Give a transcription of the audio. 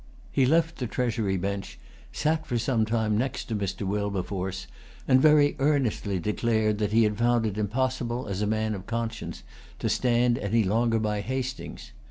He left the treasury bench, sat for some time next to Mr. Wilberforce, and very earnestly declared that he had found it impossible, as a man of conscience, to stand any longer by Hastings.